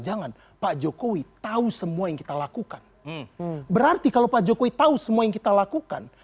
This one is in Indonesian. jangan pak jokowi tahu semua yang kita lakukan bu fantik lojak ui tahu semua yang kita lakukan